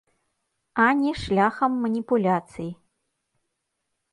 А не шляхам маніпуляцый.